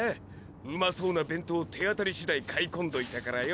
うまそうな弁当手当たり次第買い込んどいたからよ。